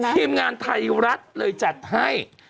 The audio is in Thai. ทีมงานไทยรัฐเลยจัดให้